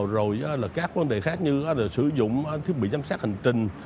rồi là các vấn đề khác như sử dụng thiết bị giám sát hành trình